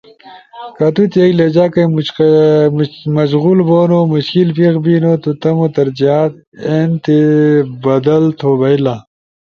کہ تو تی ایک لہجہ کئی مشغول بونو مشکل پیخ بینو تو تمو ترجیحات این تی بدل تھو بئیلا۔